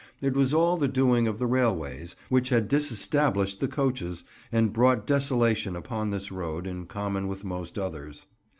It was all the doing of the railways, which had disestablished the coaches, and brought desolation upon this road, in common with most others.